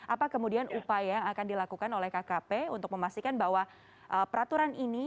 apa kemudian upaya yang akan dilakukan oleh kkp untuk memastikan bahwa peraturan ini